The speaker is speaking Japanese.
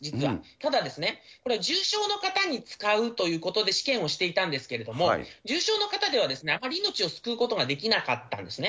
ただ、これは重症の方に使うということで試験をしていたんですけれども、重症の方ではあまり命を救うことができなかったんですね。